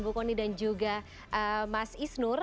bu kony dan juga mas isnur